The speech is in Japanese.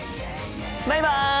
バイバイ！